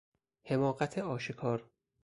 حماقت آشکار